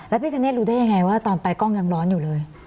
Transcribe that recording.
พี่ธเนธรู้ได้ยังไงว่าตอนไปกล้องยังร้อนอยู่เลย